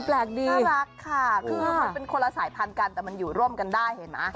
แปลกดีน่ารักค่ะคือมันเป็นคนละสายพันธุ์กันแต่มันอยู่ร่วมกันได้เห็นไหม